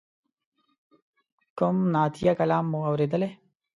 کوم نعتیه کلام مو اوریدلی.